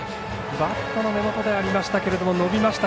バットの根元ではありましたけれども、伸びました。